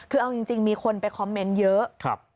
คือเอาจริงมีคนไปคอมเมนต์เยอะ